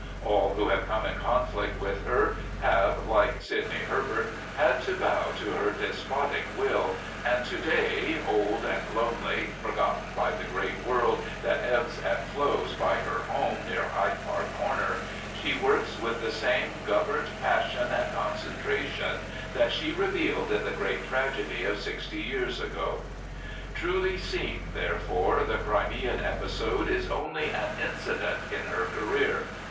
All who have come in conflict with her have, like Sidney Herbert, had to bow to her despotic will, and to day, old and lonely, forgotten by the great world that ebbs and flows by her home near Hyde Park comer, she works with the same governed passion and concentration that she revealed in the great tragedy of sixty years ago. Truly seen, therefore, the Crimean episode is only an incident in her career.